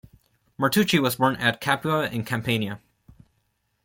Martucci was born at Capua, in Campania.